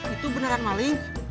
itu beneran maling